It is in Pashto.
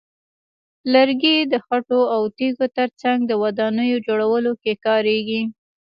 لرګي د خټو او تیږو ترڅنګ د ودانیو جوړولو کې کارېږي.